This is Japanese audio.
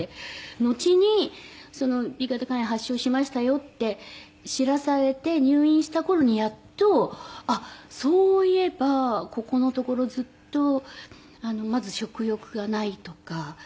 のちにＢ型肝炎発症しましたよって知らされて入院した頃にやっとあっそういえばここのところずっとまず食欲がないとかだるさ。